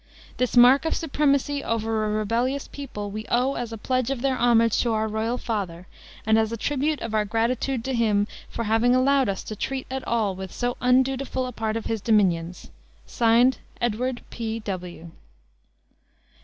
This mark of supremacy over a rebellious people we owe as a pledge of their homage to our royal father; and as a tribute of our gratitude to him for having allowed us to treat at all with so undutiful a part of his dominions. "(Signed) Edward, P.W."